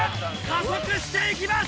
加速していきます！